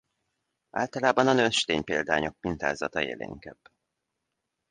Általában a nőstény példányok mintázata élénkebb.